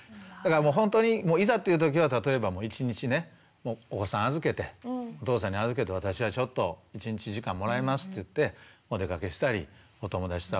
ほんとにもういざっていう時は例えば一日ねお子さん預けてお父さんに預けて「私はちょっと一日時間もらいます」って言ってお出かけしたりお友達と会うとか。